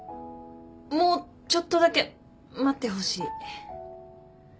もうちょっとだけ待ってほしい。